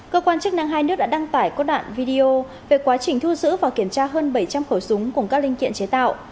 cơ quan chức năng hai nước đã đăng tải cốt đoạn video về quá trình thu giữ và kiểm tra hơn bảy trăm linh khẩu súng cùng các linh kiện chế tạo